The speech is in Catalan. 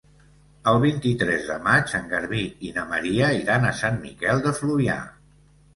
El vint-i-tres de maig en Garbí i na Maria iran a Sant Miquel de Fluvià.